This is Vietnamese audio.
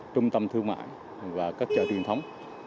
trung tâm thương mại và các chợ truyền thống